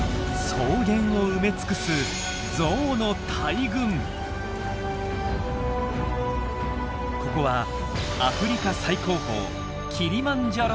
草原を埋め尽くすここはアフリカ最高峰キリマンジャロのふもと。